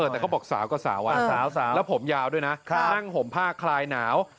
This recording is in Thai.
แต่เขาบอกสาวก็สาวแล้วผมยาวด้วยนะนั่งห่มผ้าคลายหนาว